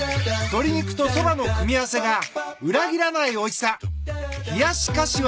鶏肉とそばの組み合わせが裏切らないおいしさ。